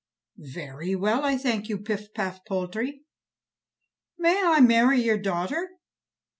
"Very well, I thank you, Pif paf Poltrie." "May I marry your daughter?"